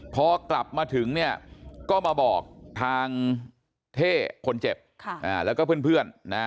พอกลับมาถึงเนี่ยก็มาบอกทางเท่คนเจ็บแล้วก็เพื่อนนะ